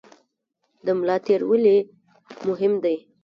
د ملا تیر ولې مهم دی؟